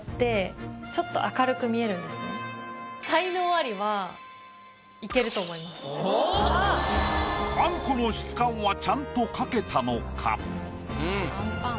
あと気がしてあんこの質感はちゃんと描けたのか？